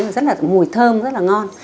rất là mùi thơm rất là ngon